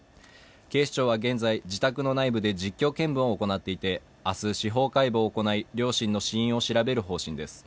警視庁は現在、自宅の内部で実況見分を行っていて明日、司法解剖を行い両親の死因を調べる方針です。